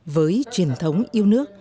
với truyền thống yêu nước